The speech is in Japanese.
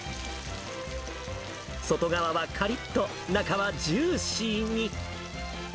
外側はかりっと、中はジューシーに。